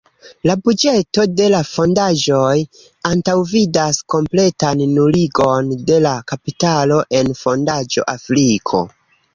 La buĝeto de la fondaĵoj antaŭvidas kompletan nuligon de la kapitalo en fondaĵo Afriko.